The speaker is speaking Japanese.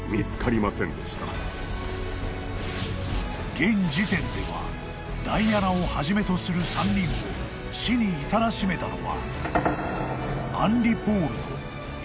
［現時点ではダイアナをはじめとする３人を死に至らしめたのは］